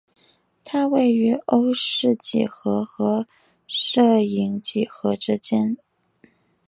它位于欧氏几何和射影几何之间。